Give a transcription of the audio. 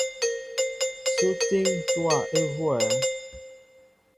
Sú étííŋ ntówa huwɛέ ?